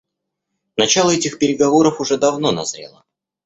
Начало этих переговоров уже давно назрело.